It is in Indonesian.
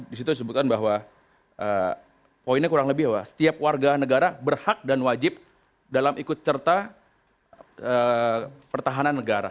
di situ disebutkan bahwa poinnya kurang lebih setiap warga negara berhak dan wajib dalam ikut serta pertahanan negara